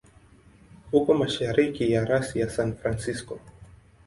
Uko mashariki ya rasi ya San Francisco.